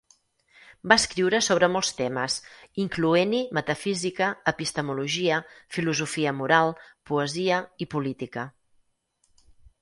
Va escriure sobre molts temes, incloent-hi metafísica, epistemologia, filosofia moral, poesia i política.